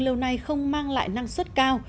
lâu nay không mang lại năng suất cao